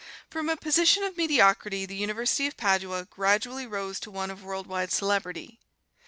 From a position of mediocrity, the University of Padua gradually rose to one of worldwide celebrity.